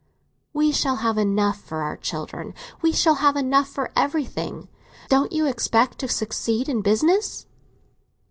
"We shall have enough for our children—we shall have enough for everything. Don't you expect to succeed in business?"